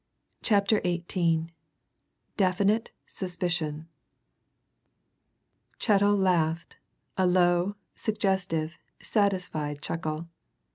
CHAPTER XVIII DEFINITE SUSPICION Chettle laughed a low, suggestive, satisfied chuckle.